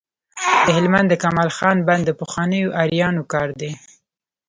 د هلمند د کمال خان بند د پخوانیو آرینو کار دی